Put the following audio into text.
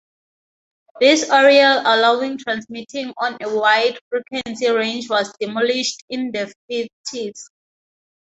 This aerial allowing transmitting on a wide frequency range was demolished in the Fifties.